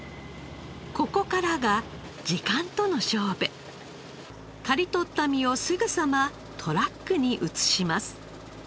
ここからが刈り取った実をすぐさまトラックに移します。